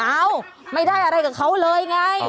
ไม่ได้อะไรกับเขาเลยไง